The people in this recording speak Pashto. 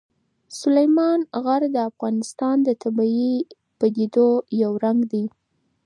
سلیمان غر د افغانستان د طبیعي پدیدو یو رنګ دی.